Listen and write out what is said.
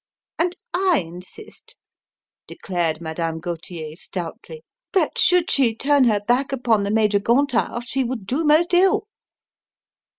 "And I insist," declared Madame Gauthier stoutly, "that should she turn her back upon the Major Gontard she would do most ill!"